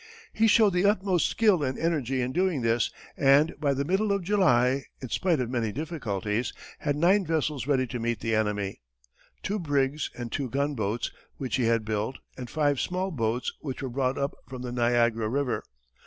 He showed the utmost skill and energy in doing this, and by the middle of July, in spite of many difficulties, had nine vessels ready to meet the enemy two brigs and two gunboats which he had built, and five small boats which were brought up from the Niagara river.